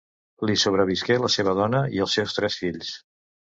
Li sobrevisqué la seva dona i els seus tres fills.